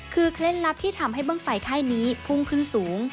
คือเคล้นลับที่ทำให้เบิ่งไฟไข้นี้พุ่งพึงสูง